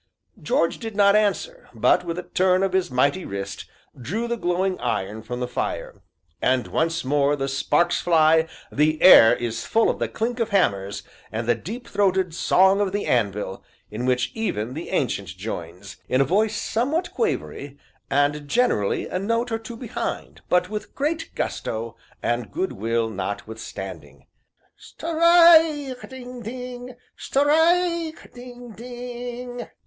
George did not answer, but, with a turn of his mighty wrist, drew the glowing iron from the fire. And once more the sparks fly, the air is full of the clink of hammers, and the deep throated Song of the Anvil, in which even the Ancient joins, in a voice somewhat quavery, and generally a note or two behind, but with great gusto and goodwill notwithstanding: "Strike! ding! ding! Strike! ding! ding!"